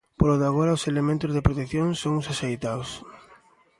Polo de agora, os elementos de protección son os axeitados.